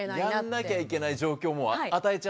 やんなきゃいけない状況を与えちゃって。